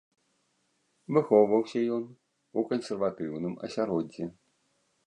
Выхоўваўся ён у кансерватыўным асяроддзі.